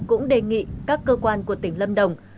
cũng đề nghị các cơ quan của tỉnh lâm đồng